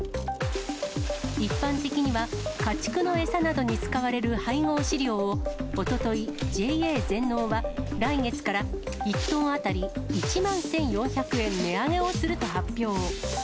一般的には家畜の餌などに使われる配合飼料を、おととい、ＪＡ全農は、来月から１トン当たり１万１４００円値上げをすると発表。